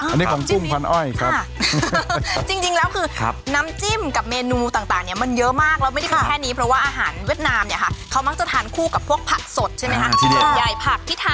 อันนี้ของจิ้มพันอ้อยครับจริงแล้วคือน้ำจิ้มกับเมนูต่างเนี่ยมันเยอะมากแล้วไม่ได้เป็นแค่นี้เพราะว่าอาหารเวียดนามเนี่ยค่ะเขามักจะทานคู่กับพวกผักสดใช่ไหมคะ